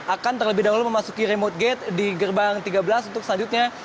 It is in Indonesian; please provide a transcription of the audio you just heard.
akan terlebih dahulu memasuki remote gate di gerbang tiga belas untuk selanjutnya